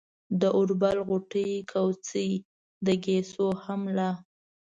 د اوربل غوټې، کوڅۍ، د ګيسو هم لا